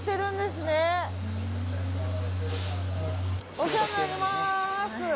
お世話になります。